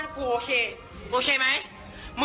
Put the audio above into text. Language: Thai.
กูบอกให้ทำ